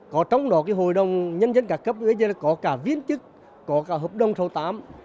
có trong đó cái hội đồng nhân dân cấp có cả viên chức có cả hợp đồng sâu tám